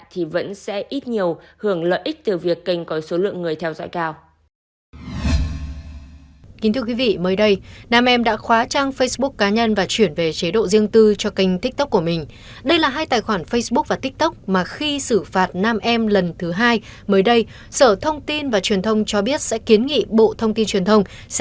thì vẫn sẽ ít nhiều hưởng lợi ích từ việc kênh có số lượng người theo dõi cao